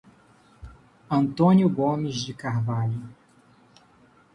Antônio Gomes de Carvalho